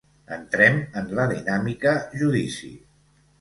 Entrem en la dinàmica judici.